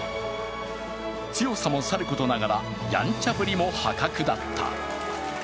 強さもさることながらヤンチャぶりも破格だった。